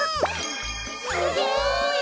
すごい！